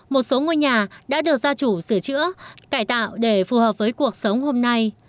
một số ngôi nhà đã được gia chủ sửa chữa cải tạo để phù hợp với cuộc sống hôm nay